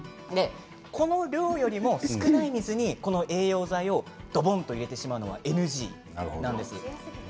この量よりも少ない水にこの栄養剤をドボンと入れてしまうのはＮＧなんです。